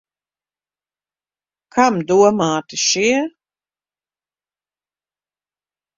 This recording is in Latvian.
Kam domāti šie?